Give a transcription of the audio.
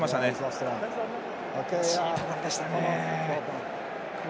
惜しいところでしたね。